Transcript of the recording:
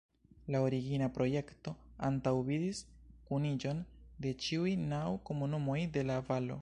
La origina projekto antaŭvidis kuniĝon de ĉiuj naŭ komunumoj de la valo.